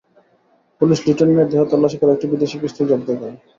Police Liton মিয়ার দেহ তল্লাশি করে একটি বিদেশি পিস্তল জব্দ করে।